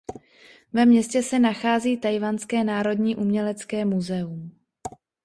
Ve městě se nachází Tchajwanské národní umělecké muzeum.